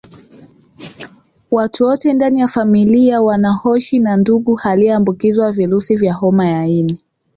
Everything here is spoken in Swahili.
Watu wote ndani ya familia wanaoshi na ndugu aliyeambukizwa virusi vya homa ya ini